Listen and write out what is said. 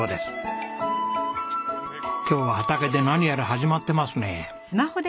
今日は畑で何やら始まってますね。